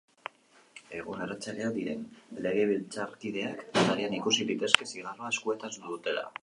Egun erretzaileak diren legebiltzarkideak atarian ikusi litezke zigarroa eskuetan dutela.